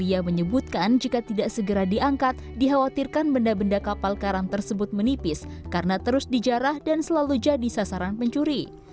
ia menyebutkan jika tidak segera diangkat dikhawatirkan benda benda kapal karam tersebut menipis karena terus dijarah dan selalu jadi sasaran pencuri